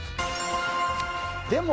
「でも」